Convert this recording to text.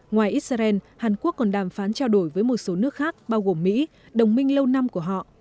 ngoài israel hàn quốc còn đàm phán trao đổi với một số nước khác bao gồm mỹ đồng minh lâu năm của họ